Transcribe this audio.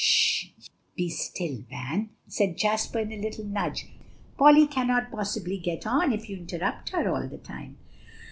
"Sh be still, Van," said Jasper with a little nudge; "Polly cannot possibly get on if you interrupt her all the time."